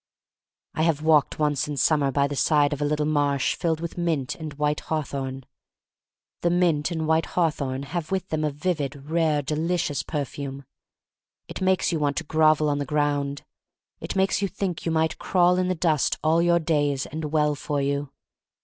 I have walked once in summer by the side of a little marsh filled with mint and white hawthorn. The mint and white hawthorn have with them a vivid, rare, delicious perfume. It makes you want to grovel on the ground — it makes you think 'you might crawl in the dust all your days, and well for you.